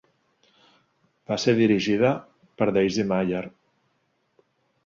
Va ser dirigida per Daisy Mayer.